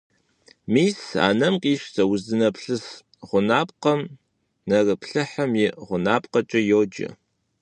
Мис а нэм къищтэ, уздынэплъыс гъунапкъэм нэрыплъыхьым и гъунапкъэкӀэ йоджэ.